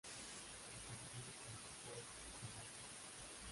Se encuentra en Japón y Vietnam.